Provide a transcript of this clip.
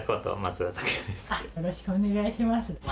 よろしくお願いします。